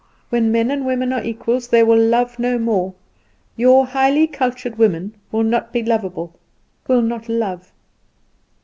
When men and women are equals they will love no more. Your highly cultured women will not be lovable, will not love.